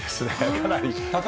かなり。